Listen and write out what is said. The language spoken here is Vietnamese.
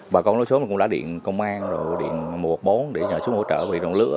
bà con lối xóm cũng đã điện công an rồi điện một bốn để nhờ xuống hỗ trợ vì ngọn lửa